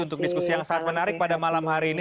untuk diskusi yang sangat menarik pada malam hari ini